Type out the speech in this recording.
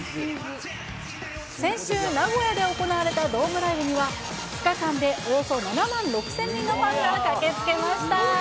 先週、名古屋で行われたドームライブには、２日間でおよそ７万６０００人のファンが駆けつけました。